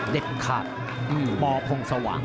เด็ดขาดบ่พงศวัง